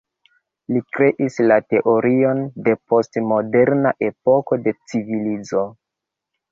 Li kreis la teorion de post-moderna epoko de civilizo.